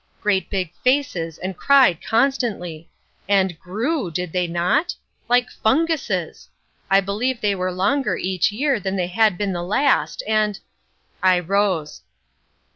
Great big faces, and cried constantly! And grew, did they not? Like funguses! I believe they were longer each year than they had been the last, and—" I rose.